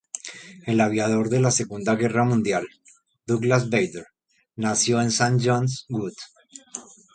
El aviador de la Segunda Guerra Mundial, Douglas Bader nació en St John's Wood.